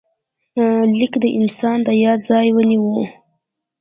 لیک د انسان د یاد ځای ونیو.